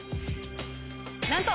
なんと！